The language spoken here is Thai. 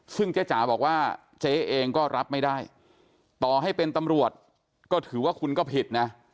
ซึ่งเจ๊จ๋าบอกว่าเจ๊เองก็รับไม่ได้ต่อให้เป็นตำรวจก็ถือว่าคุณก็ผิดนะ